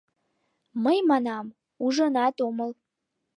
Мый, манам, ужынат омыл.